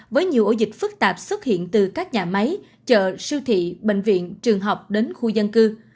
với nhiều ổ dịch phức tạp xuất hiện từ các nhà máy chợ siêu thị bệnh viện trường học đến khu dân cư